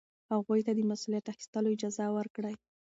هغوی ته د مسؤلیت اخیستلو اجازه ورکړئ.